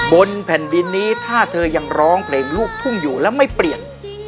บนแผ่นดินนี้ถ้าเธอยังร้องเพลงลูกทุ่งอยู่แล้วไม่เปลี่ยน